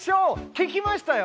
聞きましたよ。